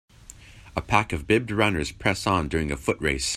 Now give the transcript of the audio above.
A pack of bibbed runners press on during a foot race.